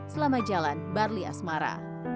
selamat jalan barli asmara